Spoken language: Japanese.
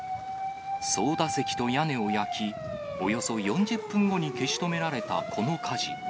操だ席と屋根を焼き、およそ４０分後に消し止められたこの火事。